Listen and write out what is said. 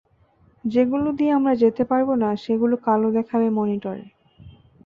যেগুলো দিয়ে আমরা যেতে পারব না সেগুলো কালো দেখাবে মনিটরে।